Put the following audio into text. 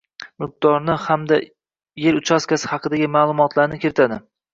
mulkdornii hamda yer uchastkasi haqidagi ma’lumotlarini kiritadi.